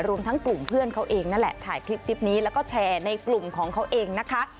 รวมทั้งกลุ่มเพื่อนเขาเองนั่นแหละถ่ายคลิปนี้แล้วก็แชร์ในกลุ่มของเขาเองนะคะ